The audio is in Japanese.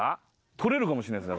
取れるかもしれないです。